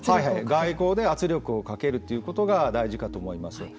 外交で圧力をかけるということが大事かと思います。